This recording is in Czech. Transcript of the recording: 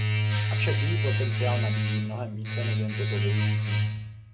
Avšak její potenciál nabízí mnohem více než jen toto využití.